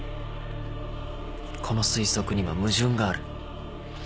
この推測には矛盾がある。